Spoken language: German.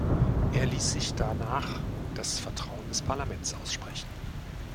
Er ließ sich danach das Vertrauen des Parlaments aussprechen.